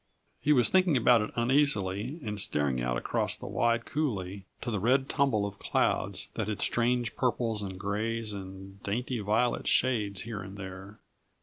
He was thinking about it uneasily and staring out across the wide coulée to the red tumble of clouds, that had strange purples and grays and dainty violet shades here and there.